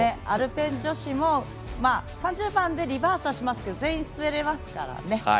アルペン女子も３０番でリバースしますが全員滑れますからね。